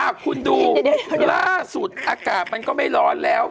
คุณดูล่าสุดอากาศมันก็ไม่ร้อนแล้ว